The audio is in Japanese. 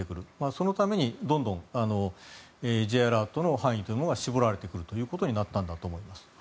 そのためにどんどんＪアラートの範囲が絞られてくることになったんだと思います。